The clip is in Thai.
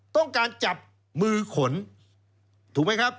ต้องการจับมือขนถูกไหมครับ